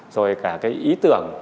rồi cả cái ý tưởng